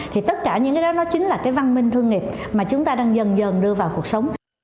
thì tất cả những cái đó chính là cái văn minh thương nghiệp mà chúng ta đang dần dần đưa vào cuộc sống